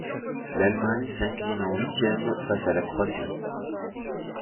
L'Allemagne s'incline en huitièmes face à la Croatie.